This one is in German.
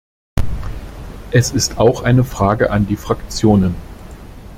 Es ist auch eine Frage an die Fraktionen.